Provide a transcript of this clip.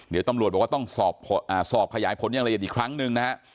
เดี๋ยวตำรวจบอกว่าต้องสอบขยายผลอย่างละเอียดอีกครั้งหนึ่งนะฮะ